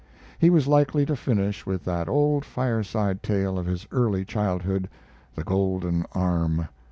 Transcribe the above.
He was likely to finish with that old fireside tale of his early childhood, the "Golden Arm."